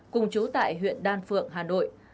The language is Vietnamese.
cùng trú tại huyện đàn phượng hà nội